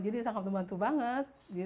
jadi sangat membantu banget